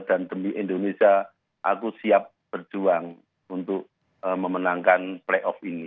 dan demi indonesia aku siap berjuang untuk memenangkan playoff ini